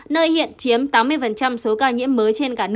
nơi hiện chiếm tám mươi số ca nhiễm mới